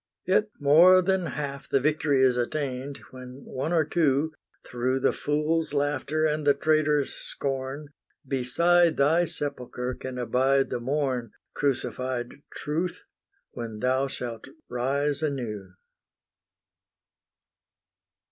Yet more than half The victory is attained, when one or two, Through the fool's laughter and the traitor's scorn, Beside thy sepulchre can abide the morn, Crucified Truth, when thou shalt rise anew.